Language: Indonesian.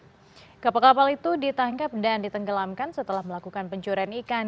kapal kapal itu ditangkap dan ditenggelamkan setelah melakukan pencurian ikan